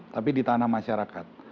tapi di tanah masyarakat